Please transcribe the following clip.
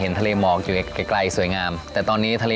ก็เป็นบริเวณของประเทศเพื่อนบ้านอิตองจากด้านหลังผมเนี่ยนะครับ